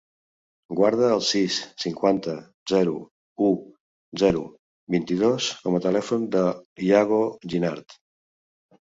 Guarda el sis, cinquanta, zero, u, zero, vint-i-dos com a telèfon de l'Iago Ginard.